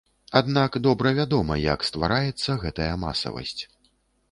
Аднак добра вядома як ствараецца гэтая масавасць.